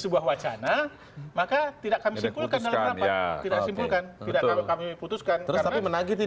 sebuah wacana maka tidak akan disimpulkan ya tidak simpulkan tidak kami putuskan terus menagih tidak